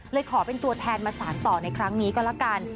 เลยขอเป็นตัวแทนมาสารต่อในครั้งนี้ก็ละกัน